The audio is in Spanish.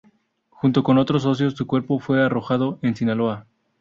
Junto con sus otros socios, su cuerpo fue arrojado en Sinaloa.